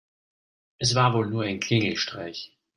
Es war wohl nur ein Klingelstreich.